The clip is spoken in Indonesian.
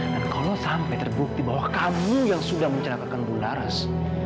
dan kalau sampai terbukti bahwa kamu yang sudah menceratakan bundares